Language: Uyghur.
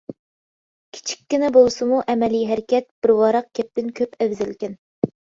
كىچىككىنە بولسىمۇ ئەمەلىي ھەرىكەت بىر ۋاراق گەپتىن كۆپ ئەۋزەلكەن.